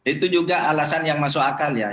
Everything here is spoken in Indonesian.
itu juga alasan yang masuk akal ya